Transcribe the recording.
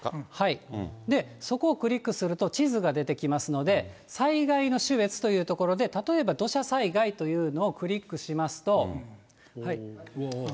そこをクリックすると、地図が出てきますので、災害の種別というところで、例えば土砂災害というのをクリックしますと。